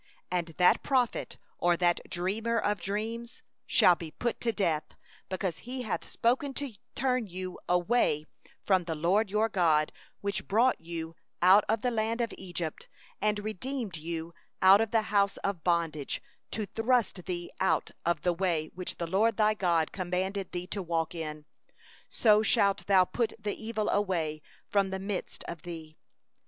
6And that prophet, or that dreamer of dreams, shall be put to death; because he hath spoken perversion against the LORD your God, who brought you out of the land of Egypt, and redeemed thee out of the house of bondage, to draw thee aside out of the way which the LORD thy God commanded thee to walk in. So shalt thou put away the evil from the midst of thee.